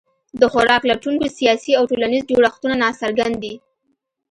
د خوراک لټونکو سیاسي او ټولنیز جوړښتونه ناڅرګند دي.